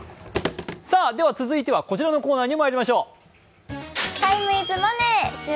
では、続いてはこちらのコーナーにまいりましょう。